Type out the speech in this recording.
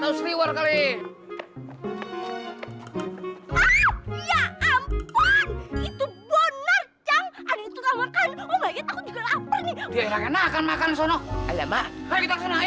sengsara memberikan harga kurang lebih dari empat ratus dolar